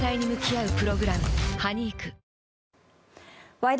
「ワイド！